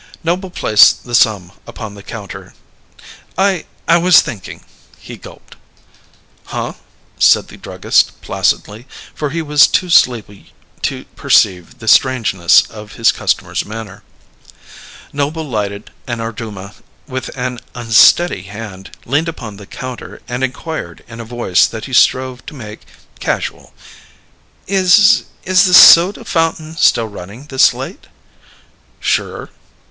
Noble placed the sum upon the counter. "I I was thinking " He gulped. "Huh?" said the druggist placidly, for he was too sleepy to perceive the strangeness of his customer's manner. Noble lighted an Orduma with an unsteady hand, leaned upon the counter, and inquired in a voice that he strove to make casual: "Is is the soda fountain still running this late?" "Sure."